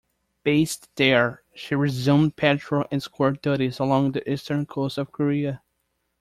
Based there, she resumed patrol and escort duties along the eastern coast of Korea.